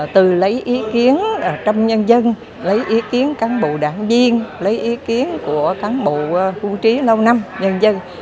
từ lấy ý kiến trong nhân dân lấy ý kiến cán bộ đảng viên lấy ý kiến của cán bộ phu trí lâu năm nhân dân